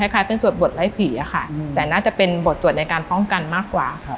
คล้ายเป็นสวดบทไร้ผีค่ะแต่น่าจะเป็นบทสวดในการป้องกันมากกว่า